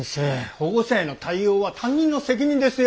保護者への対応は担任の責任ですよ。